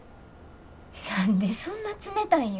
何でそんな冷たいんよ。